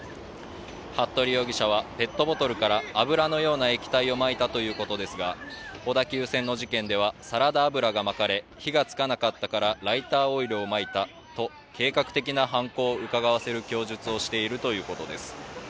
服部容疑者はペットボトルから油のような液体をまいたということですが小田急線の事件ではサラダ油がまかれ火が付かなかったからライターオイルをまいたと計画的な犯行をうかがわせる供述をしているということです。